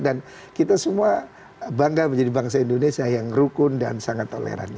dan kita semua bangga menjadi bangsa indonesia yang rukun dan sangat toleran